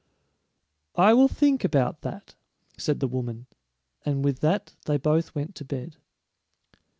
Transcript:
"I will think about that," said the woman, and with that they both went to bed.